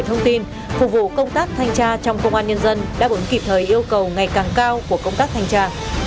thông tin phục vụ công tác thanh tra trong công an nhân dân đã vững kịp thời yêu cầu ngày càng cao của công tác thanh tra